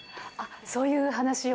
そういう話を？